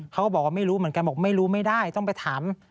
เขาก็บอกว่าไม่รู้เหมือนกันบอกไม่รู้ไม่ได้ต้องไปถาม